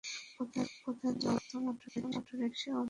প্রধান যোগাযোগ মাধ্যম অটোরিক্সা ও মোটর সাইকেল।